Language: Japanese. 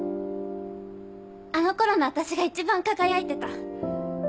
あの頃の私が一番輝いてた。